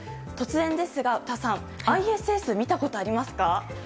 突然ですが詩さんＩＳＳ、見たことありますか？